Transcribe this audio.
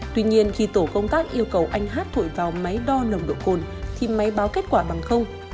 tuy nhiên khi tổ công tác yêu cầu anh hát thổi vào máy đo nồng độ cồn thì máy báo kết quả bằng không